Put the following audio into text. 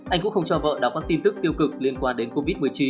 anh cũng không cho vợ đọc các tin tức tiêu cực liên quan đến covid một mươi chín